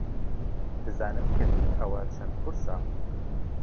دەزانم کردنی ئەوە چەند قورسە.